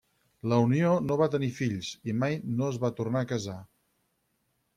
La unió no va tenir fills i mai no es va tornar a casar.